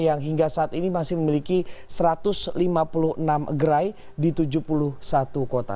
yang hingga saat ini masih memiliki satu ratus lima puluh enam gerai di tujuh puluh satu kota